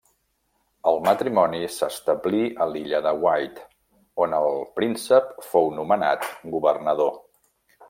El matrimoni s'establí a l'illa de Wight, on el príncep fou nomenat governador.